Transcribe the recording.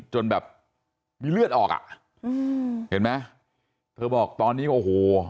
จนแบบมีเลือดออกอ่ะอืมเห็นไหมเธอบอกตอนนี้โอ้โห